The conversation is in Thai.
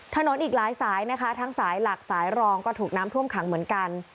อีกหลายสายนะคะทั้งสายหลักสายรองก็ถูกน้ำท่วมขังเหมือนกัน